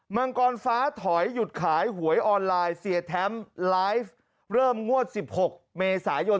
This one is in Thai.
มังกรฟ้าถอยหยุดขายหวยออนไลน์เสียแท้มไลฟ์เริ่มงวด๑๖เมษายน